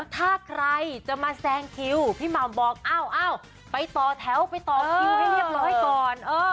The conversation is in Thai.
ถ้าใครจะมาแซงคิวพี่หม่ำบอกอ้าวไปต่อแถวไปต่อคิวให้เรียบร้อยก่อน